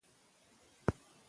قانون د اداري کړنو بنسټ جوړوي.